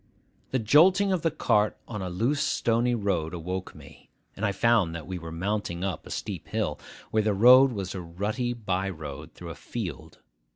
The jolting of the cart on a loose stony road awoke me; and I found that we were mounting a steep hill, where the road was a rutty by road through a field.